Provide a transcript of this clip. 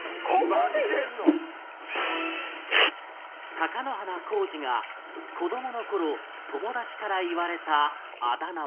貴乃花光司が子供の頃友達から言われたあだ名は？